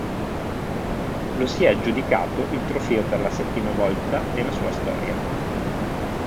Lo si è aggiudicato il trofeo per la settima volta nella sua storia.